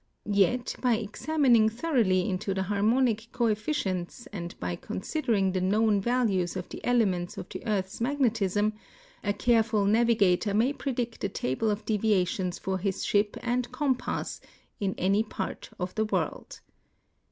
Yet b}^ examining thoroughly into the harmonic coefficients and by considering the known values of the elements of the earth's magnetism, a careful navigator may predict a table of deviations for his ship and compass in any part of the world.